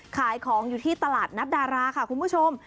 ขายของอยู่ที่ตลาดนัดดาราค่ะคุณผู้ชม